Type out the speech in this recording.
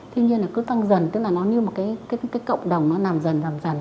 tuy nhiên là cứ tăng dần tức là nó như một cái cộng đồng nó nằm dần nằm dần